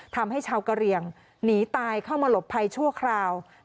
ทำให้ชาวกะเรียงหนีตายเข้ามาหลบภัยชั่วคราว